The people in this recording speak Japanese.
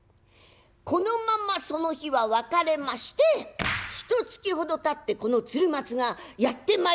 このままその日は別れましてひとつきほどたってこの鶴松がやってまいりました。